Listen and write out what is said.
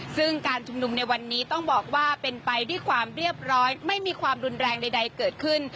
ซึ่งการชุมนุมในวันนี้ต้องบอกว่าเป็นไปด้วยความเรียบร้อยไม่มีความรุนแรงใดเกิดขึ้น